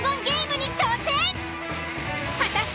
果たして